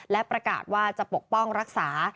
และประกาศว่าจะปกป้องรักษา